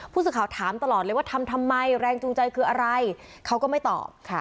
ผู้สื่อข่าวถามตลอดเลยว่าทำทำไมแรงจูงใจคืออะไรเขาก็ไม่ตอบค่ะ